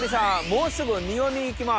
もうすぐ日本に行きます。